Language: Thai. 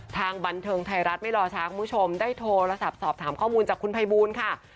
ทางบันเทิงไทยรัฐไม่รอช้าคุณผู้ชมได้โทรศัพท์สอบถามข้อมูลจากคุณภัยบูลค่ะ